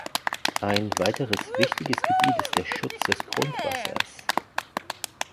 Ein weiteres wichtiges Gebiet ist der Schutz des Grundwassers.